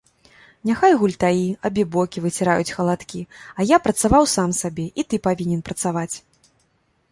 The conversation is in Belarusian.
Няхай гультаі, абібокі выціраюць халадкі, а я працаваў сам сабе, і ты павінен працаваць.